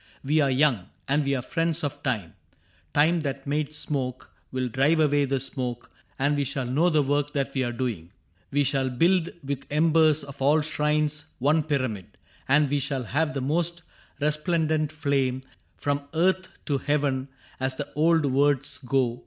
We are young, And we are friends of time. Time that made smoke Will drive away the smoke, and we shall know The work that we are doing. We shall build With embers of all shrines one pyramid, And we shall have the most resplendent flame From earth to heaven, as the old words go.